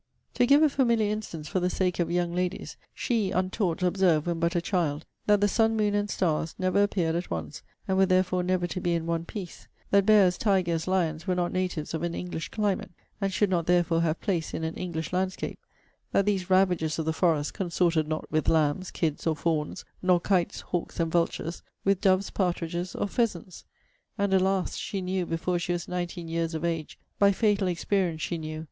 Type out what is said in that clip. To give a familiar instance for the sake of young ladies; she (untaught) observed when but a child, that the sun, moon, and stars, never appeared at once; and were therefore never to be in one piece; that bears, tigers, lions, were not natives of an English climate, and should not therefore have place in an English landscape; that these ravagers of the forest consorted not with lambs, kids, or fawns; nor kites, hawks, and vultures, with doves, partridges, or pheasants. And, alas! she knew, before she was nineteen years of age, by fatal experience she knew!